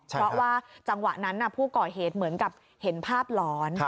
เพราะว่าจังหวะนั้นผู้ก่อเหตุเหมือนกับเห็นภาพหลอน